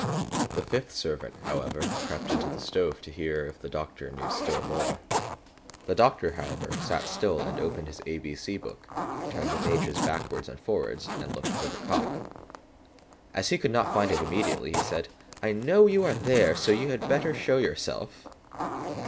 The fifth servant, however, crept into the stove to hear if the doctor knew still more. The Doctor, however, sat still and opened his A B C book, turned the pages backwards and forwards, and looked for the cock. As he could not find it immediately he said, "I know you are there, so you had better show yourself."